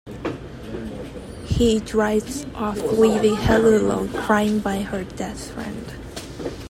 He drives off leaving Helen alone, crying by her dead friend.